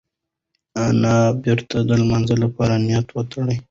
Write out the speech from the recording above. انا بېرته د لمانځه لپاره نیت وتړل.